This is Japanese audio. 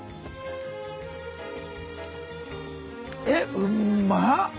えっうまっ！